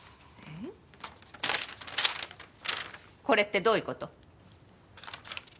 これってどういう事？